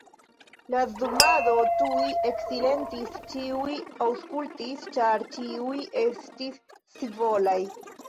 La zumado tuj eksilentis; ĉiuj aŭskultis, ĉar ĉiuj estis scivolaj.